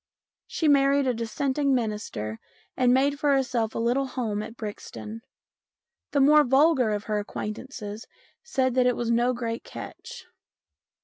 She married a Dissenting minister and made for herself a little home at Brixton. The more vulgar of her acquaintances said that it was no great catch.